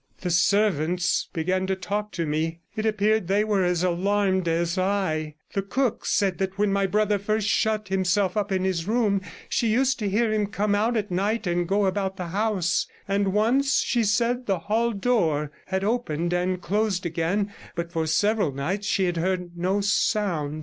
The servants began to talk to me; it appeared they were as alarmed as I; the cook said that when my brother first shut 116 himself up in his room she used to hear him come out at night and go about the house; and once, she said, the hall door had opened and closed again, but for several nights she had heard no sound.